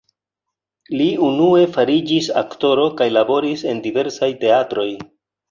Li unue fariĝis aktoro kaj laboris en diversaj teatroj.